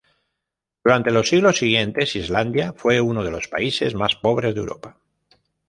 Durante los siglos siguientes, Islandia fue uno de los países más pobres de Europa.